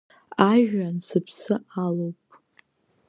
Ажәҩан сыԥсы алоуп.